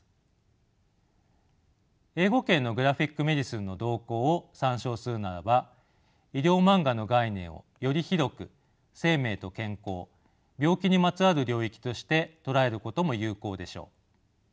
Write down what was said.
英語圏のグラフィック・メディスンの動向を参照するならば医療マンガの概念をより広く生命と健康病気にまつわる領域として捉えることも有効でしょう。